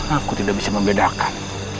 aku tidak bisa membedakan